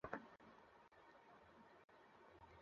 আচ্ছা তাহলে নাম বলেন, আমার।